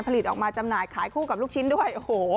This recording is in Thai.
ผลิตออกมาจำหน่ายขายคู่กับลูกชิ้นด้วย